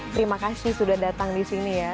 terima kasih sudah datang di sini ya